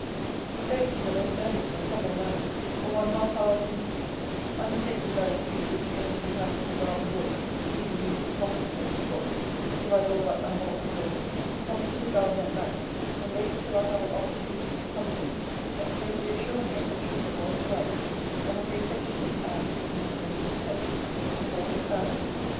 'He begs, in the most earnest and humble manner, for one half hour's interview; undertaking by a key, which he owns he has to the garden door, leading into the coppice, as we call it, (if I will but unbolt the door,) to come into the garden at night, and wait till I have an opportunity to come to him, that he may re assure me of the truth of all he writes, and of the affection, and, if needful, protection, of all his family.